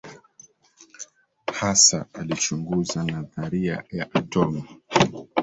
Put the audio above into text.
Hasa alichunguza nadharia ya atomu.